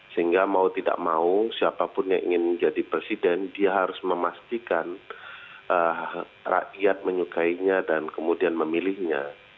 sehingga mau tidak mau siapapun yang ingin menjadi presiden dia harus memastikan rakyat menyukainya dan kemudian memilihnya